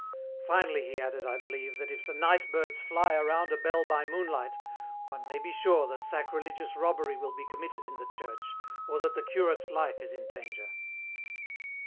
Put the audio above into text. Finally he added, I believe, that if the night birds fly around a bell by moonlight one may be sure that sacrilegious robbery will be committed in the church, or that the curate's life is in danger.